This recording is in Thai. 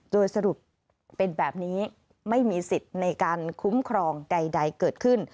โดยสรุปเป็นแบบนี้ไม่มีสิทธิ์ในการคุ้มครองใดเกิดขึ้น